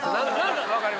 分かります。